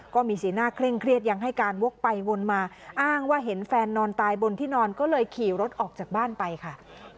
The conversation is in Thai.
ก็มีสีหน้าเคร่งเครียดยังให้การวกไปวนมาอ้างว่าเห็นแฟนนอนตายบนที่นอนก็เลยขี่รถออกจากบ้านไปค่ะ